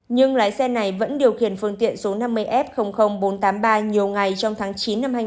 nhưng lái xe này vẫn điều khiển phương tiện số năm mươi f bốn trăm tám mươi ba nhiều ngày trong tháng chín năm hai nghìn hai mươi